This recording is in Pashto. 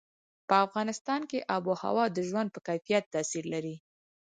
په افغانستان کې آب وهوا د ژوند په کیفیت تاثیر لري.